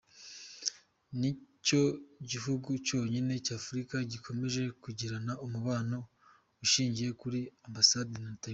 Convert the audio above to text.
Ni cyo gihugu cyonyine cy'Afurika gikomeje kugirana umubano ushingiye kuri ambasade na Taiwan.